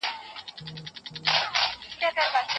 د زده کوونکو د حقونو د ساتنې لپاره کوم ارګان مسوول دی؟